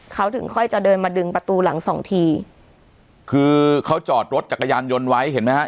เขาถึงค่อยจะเดินมาดึงประตูหลังสองทีคือเขาจอดรถจักรยานยนต์ไว้เห็นไหมฮะ